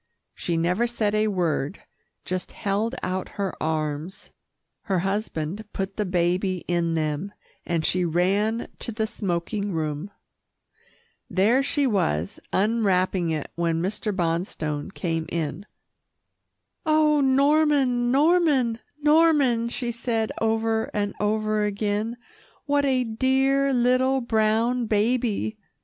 She never said a word, just held out her arms. Her husband put the baby in them, and she ran to the smoking room. There she was, unwrapping it when Mr. Bonstone came in. "Oh, Norman, Norman, Norman," she said over and over again, "what a dear little brown baby!"